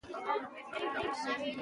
تاریخ د زمانې شاهد دی.